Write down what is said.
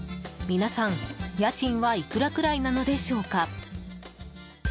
皆さん、家賃はいくらくらいなのでしょうか。